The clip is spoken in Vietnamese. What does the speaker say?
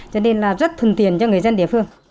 cho nên là rất thuận tiện cho người dân địa phương